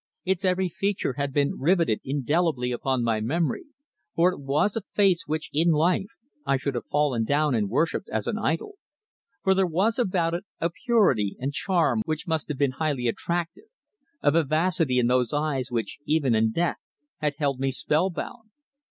Its every feature had been riveted indelibly upon my memory, for it was a face which, in life, I should have fallen down and worshipped as an idol, for there was about it a purity and charm which must have been highly attractive, a vivacity in those eyes which, even in death, had held me spell bound.